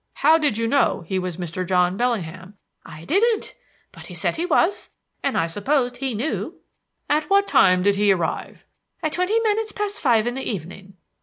"How did you know he was Mr. John Bellingham?" "I didn't; but he said he was, and I supposed he knew." "At what time did he arrive?" "At twenty minutes past five in the evening."